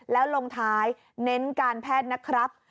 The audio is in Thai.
แล้วลงท้ายเน้นการแพทย์นะครับ